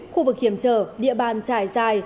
khu vực hiểm trở địa bàn trải dài